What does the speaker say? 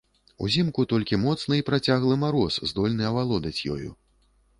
Узімку толькі моцны і працяглы мароз здольны авалодаць ёю.